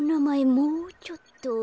もうちょっと。